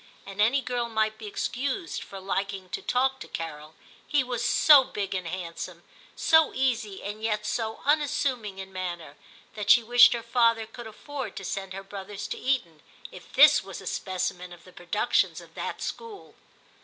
And any girl might be excused for liking to talk to Carol ; he was so big and handsome, so easy and yet so unassuming in manner, that she wished her father could afford to send her brothers to Eton, if this was a specimen of the productions of that school.